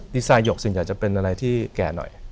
ดีไซน์หุ้กจริงจะเป็นอะไรที่แก่หน่อย